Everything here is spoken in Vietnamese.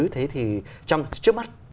thế thì trong trước mắt